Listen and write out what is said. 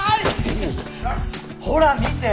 ほら見て。